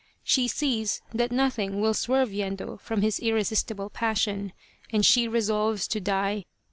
She sees that nothing will swerve Yendo from his irre sistible passion, and she resolves to die.